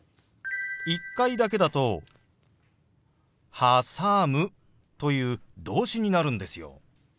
１回だけだと「はさむ」という動詞になるんですよ。